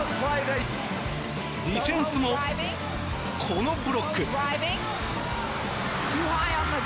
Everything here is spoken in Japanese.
ディフェンスも、このブロック！